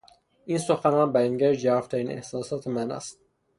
این سخنان بیانگر ژرف ترین احساسات من است.